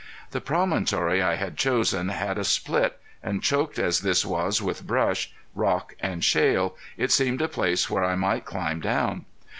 The promontory I had chosen had a split, and choked as this was with brush, rock, and shale, it seemed a place where I might climb down.